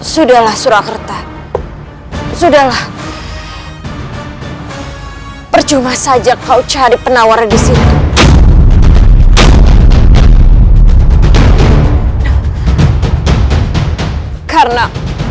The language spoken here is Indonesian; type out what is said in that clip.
sudahlah surat kerta sudahlah percuma saja kau cari penawar di sini karena